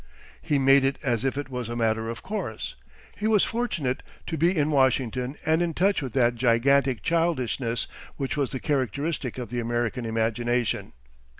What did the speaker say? He made it as if it was a matter of course. He was fortunate to be in Washington and in touch with that gigantic childishness which was the characteristic of the American imagination.